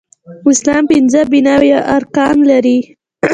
اسلام پنځه بناوې يا ارکان لري